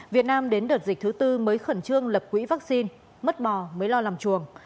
việt nam đến đợt dịch thứ tư mới khẩn trương lập quỹ vaccine mất mò mới lo làm chuồng